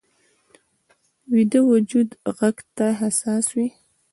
ویده وجود غږ ته حساس وي